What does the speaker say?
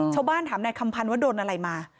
ชาวบ้านถามนายคำพันว่าโดนอะไรมา